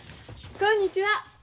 こんにちは。